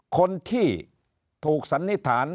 คนที่ถูกสันนิษฐาน